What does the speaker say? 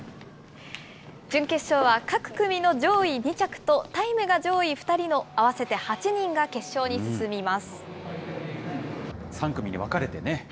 準決勝は各組の上位２着と、タイムが上位２人の合わせて８人３組に分かれてね。